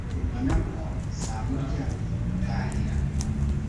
mbona ko zamurya butahira